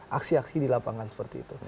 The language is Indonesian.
belum melakukan aksi aksi di lapangan seperti itu